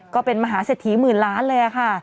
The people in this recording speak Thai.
ก็เป็นมหาเศรษฐีหมื่นล้านเลยค่ะ